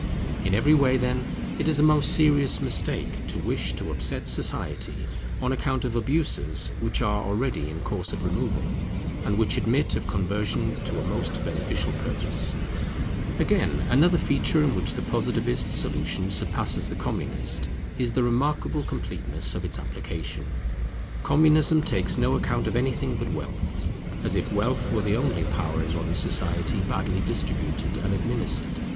In every way, then, it is a most serious mistake to wish to upset society on account of abuses which are already in course of removal, and which admit of conversion to a most beneficial purpose. [Intellect needs moral control as much as wealth] Again, another feature in which the Positivist solution surpasses the Communist, is the remarkable completeness of its application. Communism takes no account of anything but wealth; as if wealth were the only power in modern society badly distributed and administered.